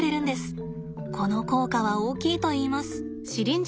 この効果は大きいといいます。